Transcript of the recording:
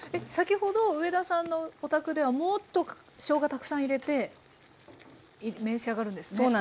先ほど上田さんのお宅ではもっとしょうがたくさん入れて召し上がるんですね？